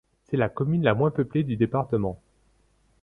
C'est la commune la moins peuplée du département.